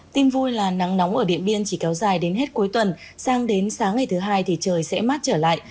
tin vui là nắng nóng ở điện biên chỉ kéo dài đến hết cuối tuần sang đến sáng ngày thứ hai thì trời sẽ mát trở lại